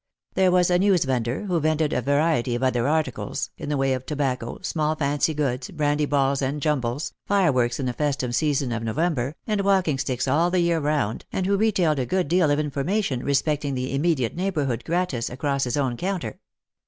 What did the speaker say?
There was a newsvendor, who vended a variety of other articles, in the way of tobacco, small fancy goods, brandy balls and jumbles, fireworks in the festive season of November, and walking sticks all the year round, and who retailed a good deal of information respecting the immediate neighbourhood gratis across his own counter.